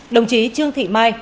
đồng chí trương thị mai